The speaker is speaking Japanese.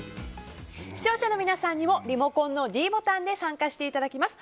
視聴者の皆さんにもリモコンのｄボタンで参加していただきます。